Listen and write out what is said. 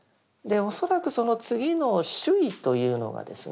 恐らくその次の「守意」というのがですね